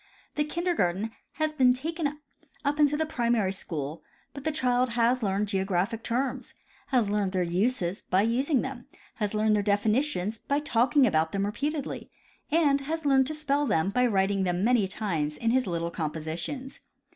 The kindergarten has been taken up into the primary school ; but the child has learned geographic terms, has learned their uses by using them, has learned their definitions by talking about them repeatedly, and has learned to spell them by writing them many times in his little compositions.